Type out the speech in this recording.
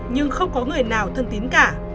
nhưng không có người nào thân tín cả